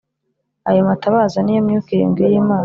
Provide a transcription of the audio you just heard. Ayo matabaza ni yo Myuka irindwi y’Imana.